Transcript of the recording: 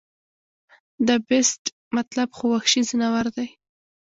د The Beast مطلب خو وحشي ځناور دے